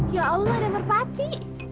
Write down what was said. ya allah ada merpati